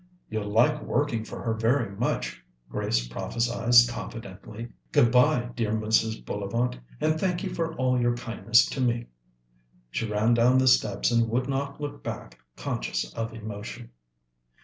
"You'll like working for her very much," Grace prophesied confidently. "Good bye, dear Mrs. Bullivant, and thank you for all your kindness to me." She ran down the steps and would not look back, conscious of emotion.